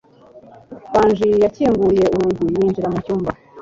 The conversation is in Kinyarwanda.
Nganji yakinguye urugi yinjira mu cyumba.